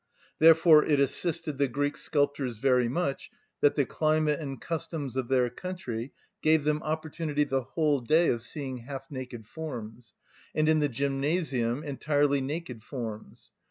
Therefore it assisted the Greek sculptors very much that the climate and customs of their country gave them opportunity the whole day of seeing half‐naked forms, and in the gymnasium entirely naked forms.